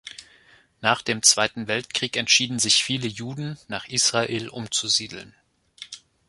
Nach dem Zweiten Weltkrieg entschieden sich viele Juden, nach Israel umzusiedeln.